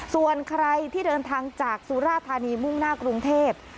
ส่วนใครที่เดินทางจากสุราธานีมุ่งหน้ากรุงเทพ